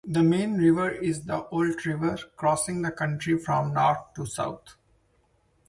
The main river is the Olt River crossing the county from North to South.